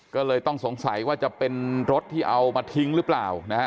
ก็เลยต้องสงสัยว่าจะเป็นรถที่เอามาทิ้งหรือเปล่านะฮะ